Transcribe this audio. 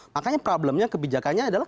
makanya problemnya kebijakannya